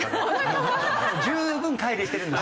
十分乖離してるんです。